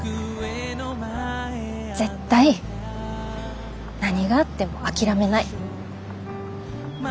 絶対何があっても諦めない。